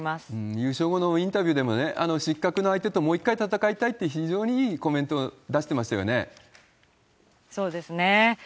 優勝後のインタビューでも、失格の相手ともう一回戦いたいって、非常にいいコメントをそうですね。